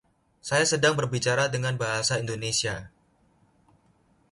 He was a member of the American Academy of Arts and Letters.